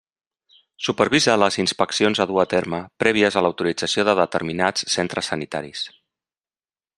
Supervisa les inspeccions a dur a terme, prèvies a l'autorització de determinats centres sanitaris.